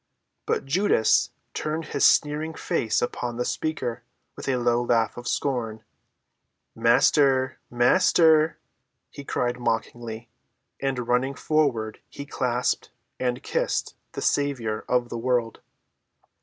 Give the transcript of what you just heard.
But Judas turned his sneering face upon the speaker with a low laugh of scorn. "Master! Master!" he cried mockingly, and running forward he clasped and kissed the Saviour of the world.